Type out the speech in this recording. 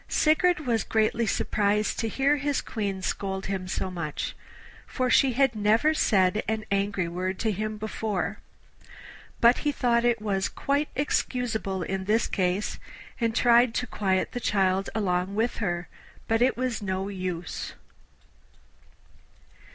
Sigurd was greatly surprised to hear his Queen scold him so much, for she had never said an angry word to him before; but he thought it was quite excusable in this case, and tried to quiet the child along with her, but it was no use.